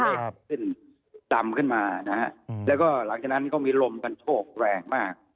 ไปขึ้นต่ำขึ้นมาแล้วหลังจากนั้นมีลมชกแรงมาก